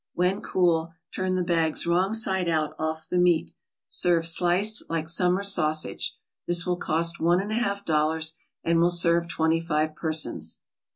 When cool, turn the bags wrong side out off the meat. Serve sliced like summer sausage. This will cost one and a half dollars, and will serve twenty five persons.